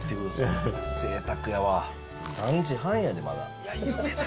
ぜいたくやわ、３時半やで、まだ。